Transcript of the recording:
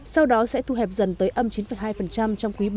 sau đó sẽ thu hẹp dần tới âm chín hai trong quý ba và âm sáu bảy trong quý bốn